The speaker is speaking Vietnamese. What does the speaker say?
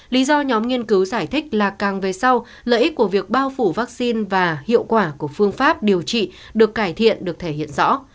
lý do nhóm nghiên cứu giải thích là càng về sau lợi ích của việc bao phủ vaccine và hiệu quả của phương pháp điều trị được cải thiện được thể hiện rõ